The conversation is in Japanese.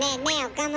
岡村。